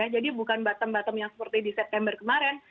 jadi bukan bottom bottom yang seperti di september kemarin